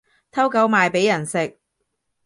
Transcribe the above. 偷狗賣畀人食